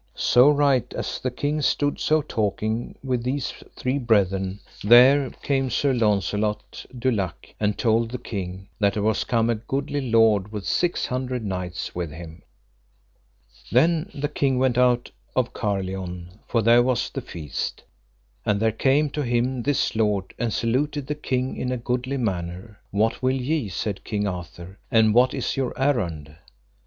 So right as the king stood so talking with these three brethren, there came Sir Launcelot du Lake, and told the king that there was come a goodly lord with six hundred knights with him. Then the king went out of Carlion, for there was the feast, and there came to him this lord, and saluted the king in a goodly manner. What will ye, said King Arthur, and what is your errand?